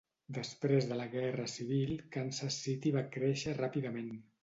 Després de la Guerra Civil Kansas City va créixer ràpidament.